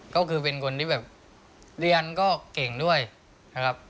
ก็คือเป็นคนที่แบบเรียนก็เก่งด้วยนะครับ